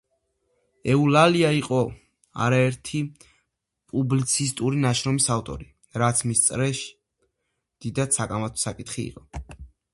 ეულალია იყო არაერთი პუბლიცისტური ნაშრომის ავტორი, რაც მის წრეში დიდად საკამათო საკითხი იყო.